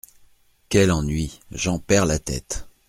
Quel ennui ! j’en perds la tête !…